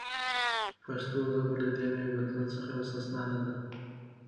پښتو ژبه هم له دې نوي بدلون څخه مستثناء نه ده.